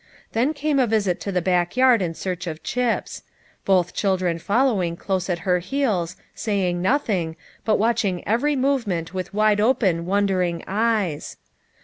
Then came a visit to the back yard in search of chips ; both children fol lowing close at her heels, saying nothing, but watching every movement with wide open won dering eyes.